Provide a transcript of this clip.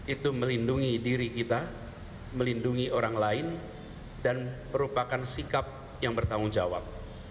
itu melindungi diri kita melindungi orang lain dan merupakan sikap yang bertanggung jawab